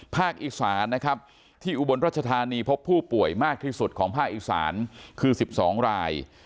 อีสานนะครับที่อุบลรัชธานีพบผู้ป่วยมากที่สุดของภาคอีสานคือ๑๒ราย